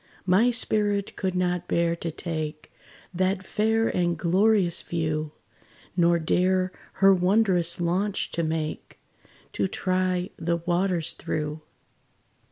My spirit could not bear to take That fair and glorious view, Nor dare her wondrous launch to make, To try the waters through.